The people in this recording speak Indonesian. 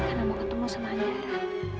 karena mau ketemu sama andara